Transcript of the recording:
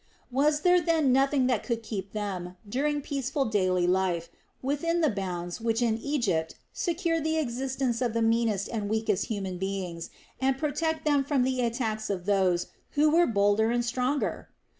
Was there then nothing that could keep them, during peaceful daily life, within the bounds which in Egypt secured the existence of the meanest and weakest human beings and protected them from the attacks of those who were bolder and stronger?